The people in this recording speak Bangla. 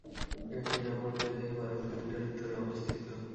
এটি রামাল্লায় থেকে বারো কিলোমিটার উত্তরে অবস্থিত।